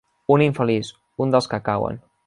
Un infeliç. Un dels que cauen.